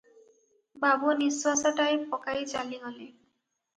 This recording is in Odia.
ବାବୁ ନିଶ୍ୱାସଟାଏ ପକାଇ ଚାଲିଗଲେ ।